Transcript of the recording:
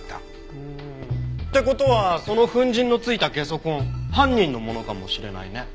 うーん。って事はその粉塵の付いたゲソ痕犯人のものかもしれないね。